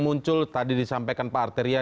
muncul tadi disampaikan pak arteria